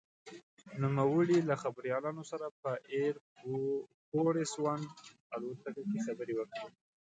نوموړي له خبریالانو سره په «اېر فورس ون» الوتکه کې خبرې وکړې.